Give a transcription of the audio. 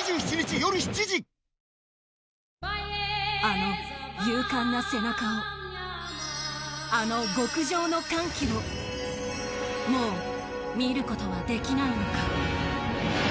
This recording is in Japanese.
あの勇敢な背中をあの極上の歓喜をもう、見ることはできないのか。